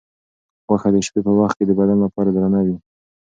غوښه د شپې په وخت کې د بدن لپاره درنه وي.